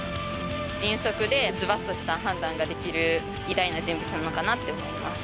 迅速でズバッとした判断ができる偉大な人物なのかなって思います。